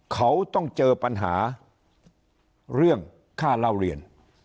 เขาต้องเจอปัญหาเรื่องค่าเล่าเรียน